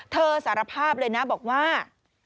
สารภาพเลยนะบอกว่า